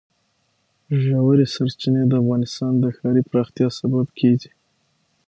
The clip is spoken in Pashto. ژورې سرچینې د افغانستان د ښاري پراختیا سبب کېږي.